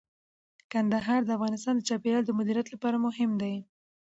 کندهار د افغانستان د چاپیریال د مدیریت لپاره مهم دي.